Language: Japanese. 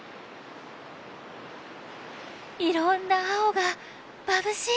いろんな青がまぶしい！